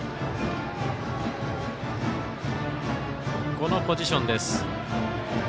このポジションです。